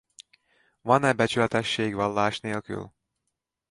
Van-e becsületesség vallás nélkül?